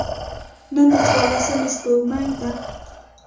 نن د څوارلسمي سپوږمۍ ده.